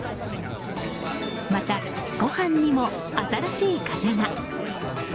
また、ご飯にも新しい風が。